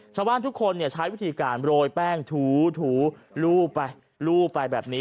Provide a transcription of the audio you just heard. ชาวบ้านทุกคนใช้วิธีการโรยแป้งถูลูบไปลูบไปแบบนี้